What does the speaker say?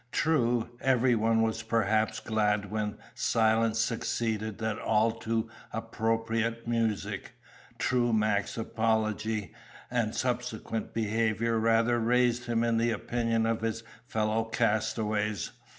True, every one was perhaps glad when silence succeeded that all too appropriate music; true, Mac's apology and subsequent behaviour rather raised him in the opinion of his fellow castaways.